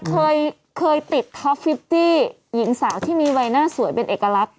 เคยเคยติดท็อฟฟิตี้หญิงสาวที่มีใบหน้าสวยเป็นเอกลักษณ